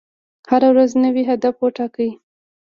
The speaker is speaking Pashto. هره ورځ نوی هدف وټاکئ.